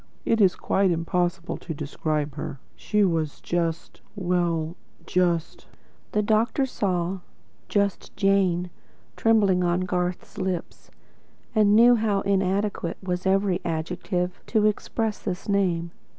It is quite impossible to describe her. She was just well, just " The doctor saw "just Jane" trembling on Garth's lips, and knew how inadequate was every adjective to express this name.